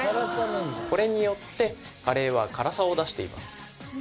これによってカレーは辛さを出しています